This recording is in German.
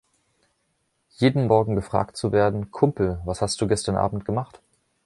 Jeden Morgen gefragt zu werden: „Kumpel, was hast du gestern Abend gemacht?